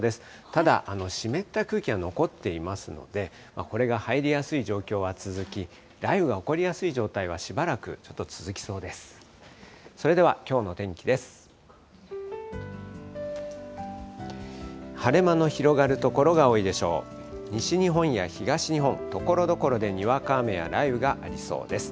ただ、湿った空気が残っていますので、これが入りやすい状況は続き、雷雨が起こりやすい状態はしばらくちょっと続きそうです。